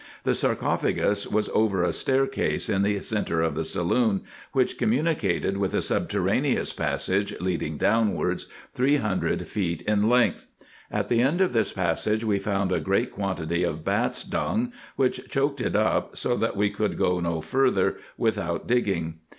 The sarcophagus was over a staircase in the centre of the saloon, which communicated with a subterraneous passage, leading downwards, three hundred feet in length. At the end of this passage we found a great quantity of bats' dung, which choked it up, so that we could go no farther without digging.